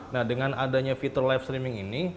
nah dengan adanya fitur live streaming ini